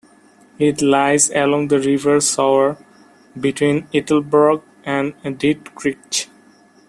It lies along the river Sauer, between Ettelbruck and Diekirch.